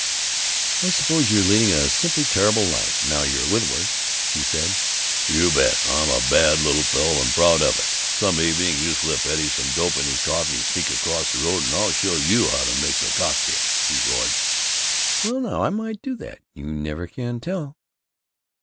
"I suppose you're leading a simply terrible life, now you're a widower," she said. "You bet! I'm a bad little fellow and proud of it. Some evening you slip Eddie some dope in his coffee and sneak across the road and I'll show you how to mix a cocktail," he roared. "Well, now, I might do it! You never can tell!"